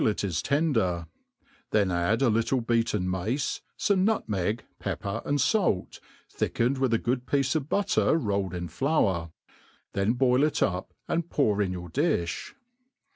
7* it is tender ; then add a little boaten mace, fome nutmeg, pep per and fale, thickened with a good piece of butter rolled in flour ; then boil it up, and pour in your difli.